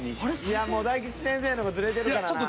いやもう大吉先生のがズレてるからなぁ。